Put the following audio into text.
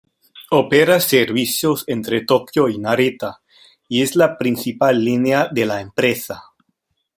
Opera servicios entre Tokio y Narita, y es la principal línea de la empresa.